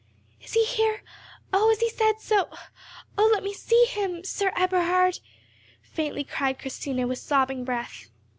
"Is he here? O, has he said so? O, let me see him—Sir Eberhard," faintly cried Christina with sobbing breath.